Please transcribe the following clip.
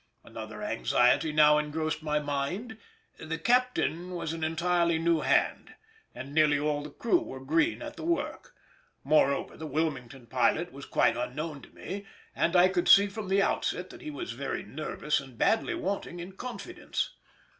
Another anxiety now engrossed my mind: the captain was an entirely new hand, and nearly all the crew were green at the work; moreover, the Wilmington pilot was quite unknown to me, and I could see from the outset that he was very nervous and badly wanting in confidence.